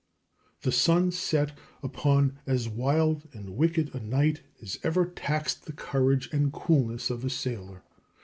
The sun set upon as wild and wicked a night as ever taxed the courage and coolness of a sailor.